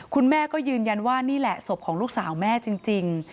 คุณแม่ก็ยืนยันว่านี่แหละศพของลูกสาวแม่จริง